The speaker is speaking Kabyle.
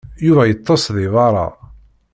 Yuba yeṭṭes deg beṛṛa.